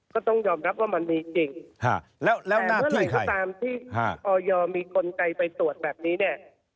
ก็ต้องยอมรับว่ามันมีจริงแล้วเมื่อไหร่ก็ตามที่ออยมีกลไกไปตรวจแบบนี้เนี่ย